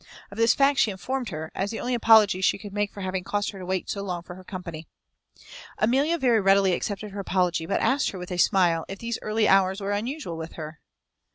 Of this fact she informed her, as the only apology she could make for having caused her to wait so long for her company. Amelia very readily accepted her apology, but asked her with a smile, if these early hours were usual with her?